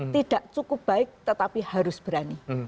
tidak cukup baik tetapi harus berani